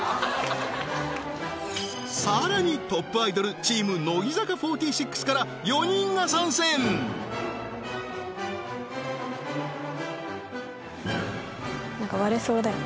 さらにトップアイドルチーム乃木坂４６から４人が参戦なんか割れそうだよね。